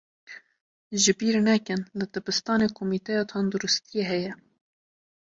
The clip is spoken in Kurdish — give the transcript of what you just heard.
Ji bîr nekin, li dibistanê komîteya tenduristiyê heye.